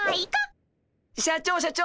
社長社長。